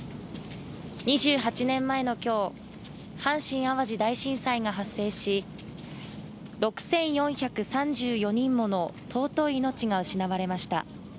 ２８年前の今日、阪神・淡路大震災が発生し６４３４人もの尊い命が失われました。